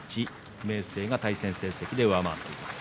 明生が対戦成績で上回っています。